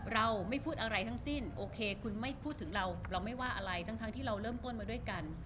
เราไม่พูดอะไรทั้งสิ้นโอเคคุณไม่พูดถึงเราเราไม่ว่าอะไรทั้งที่เราเริ่มต้นมาด้วยกัน